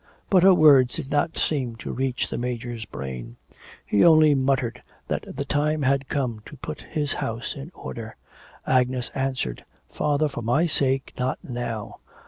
But her words did not seem to reach the Major's brain. He only muttered that the time had come to put his house in order. Agnes answered, 'Father, for my sake ... not now.'